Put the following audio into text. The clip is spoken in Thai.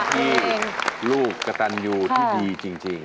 ลูกกระตันอยู่ที่ดีจริง